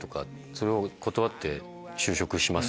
それを断って就職します！